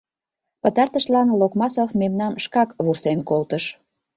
Пытартышлан Локмасов мемнам шкак вурсен колтыш: